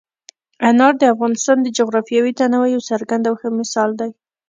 انار د افغانستان د جغرافیوي تنوع یو څرګند او ښه مثال دی.